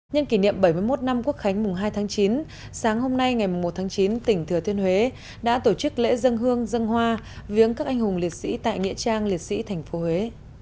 nhân kỷ niệm bảy mươi một năm quốc khánh mùng hai tháng chín sáng hôm nay ngày một tháng chín tỉnh thừa thiên huế đã tổ chức lễ dân hương dân hoa viếng các anh hùng liệt sĩ tại nghĩa trang liệt sĩ tp huế